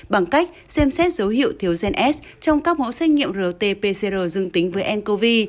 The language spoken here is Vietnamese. bằng cách xem xét dấu hiệu thiếu gens trong các mẫu xét nghiệm rt pcr dương tính với ncov